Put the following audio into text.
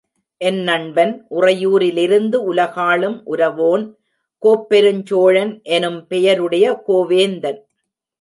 என் நண்பன், உறையூரிலிருந்து உலகாளும் உரவோன், கோப்பெருஞ் சோழன் எனும் பெயருடைய கோவேந்தன்.